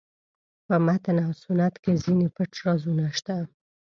په متن او سنت کې ځینې پټ رازونه شته.